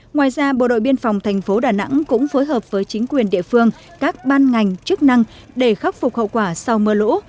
ngoài ra bộ đội biên phòng thành phố đà nẵng cũng phối hợp với chính quyền địa phương các ban ngành chức năng để khắc phục hậu quả sau mưa lũ